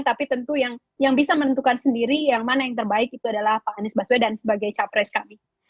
tapi tentu yang bisa menentukan sendiri yang mana yang terbaik itu adalah pak anies baswedan sebagai capres kami